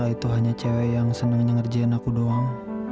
itu hanya cewek yang senang nyengerjain aku doang